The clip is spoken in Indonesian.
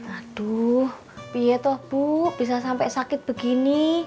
aduh piet toh bu bisa sampai sakit begini